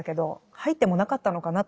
入ってもなかったのかなって。